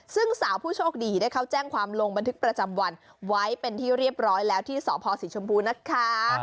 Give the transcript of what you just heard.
ซึ่งสาวผู้โชคดีได้เข้าแจ้งความลงบันทึกประจำวันไว้เป็นที่เรียบร้อยแล้วที่สพศรีชมพูนะคะ